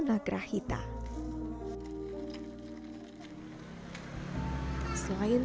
nah aku mau berusaha dulu